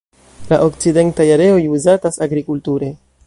La okcidentaj areoj uzatas agrikulture.